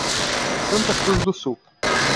Santa Cruz do Sul